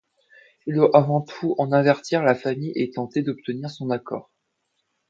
Il doit avant tout en avertir la famille et tenter d'obtenir son accord.